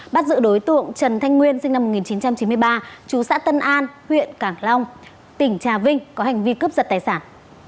bắt giữ đối tượng trần thanh nguyên sinh năm một nghìn chín trăm chín mươi ba chú xã tân an huyện cảng long tỉnh trà vinh có hành vi cướp giật tài sản